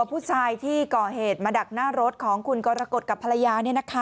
ผู้ชายที่ก่อเหตุมาดักหน้ารถของคุณกรกฎกับภรรยา